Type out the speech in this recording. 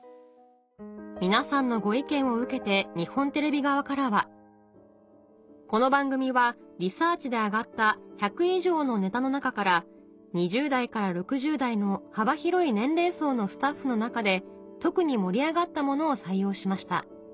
皆さんのご意見を受けて日本テレビ側からは「この番組はリサーチで上がった１００以上のネタの中から２０代から６０代の幅広い年齢層のスタッフの中で特に盛り上がったものを採用しました」